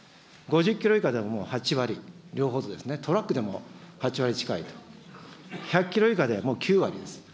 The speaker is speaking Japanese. ５０キロ以下ではもう８割、両方ともですね、トラックでも８割近い、１００キロ以下ではもう９割です。